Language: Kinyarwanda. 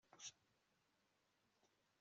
ntabwo nabishyize aho